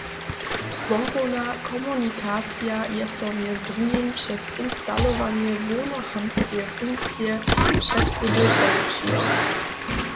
Wonkowna komunikacija je so mj. dr. přez instalowanje hłownohamtskeje funkcije předsydy polěpšiła.